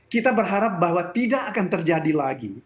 kita berharap bahwa tidak akan terjadi lagi